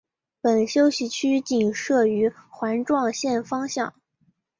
本休息区仅设于环状线方向。